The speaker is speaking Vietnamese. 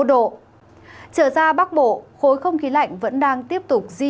trở ra bắc bộ khối không khí lạnh vẫn đang tiếp tục diễn ra